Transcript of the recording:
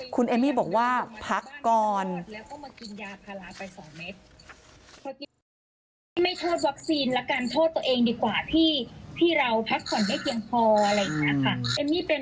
คุณเอมมี่บอกว่าพักก่อน